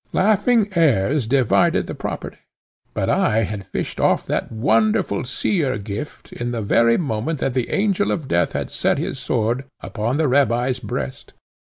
Laughing heirs divided the property, but I had fished off that wonderful seer gift, in the very moment that the Angel of Death had set his sword upon the rabbi's breast.